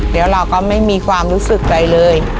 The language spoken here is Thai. เดี๋ยวเราก็ไม่มีความรู้สึกใดเลย